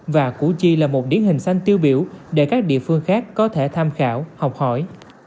và củ chi là một điển hình xanh tiêu biểu để các địa phương khác có thể tham khảo học hỏi